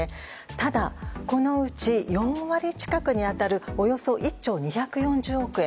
ただ、このうち４割近くに当たるおよそ１兆２４０億円。